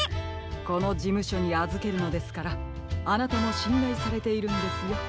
このじむしょにあずけるのですからあなたもしんらいされているんですよブラウン。